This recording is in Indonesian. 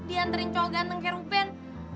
dianterin cowok ganteng kayak ruben